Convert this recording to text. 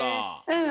うん。